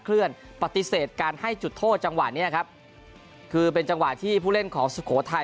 เลื่อนปฏิเสธการให้จุดโทษจังหวะเนี้ยครับคือเป็นจังหวะที่ผู้เล่นของสุโขทัย